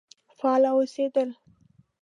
فعال اوسېدل.